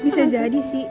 bisa jadi sih